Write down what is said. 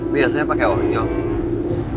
biasanya pake orjok